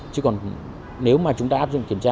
chứ còn nếu mà chúng ta áp dụng kiểm tra